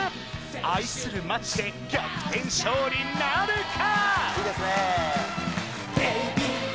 愛するマッチで逆転勝利なるか？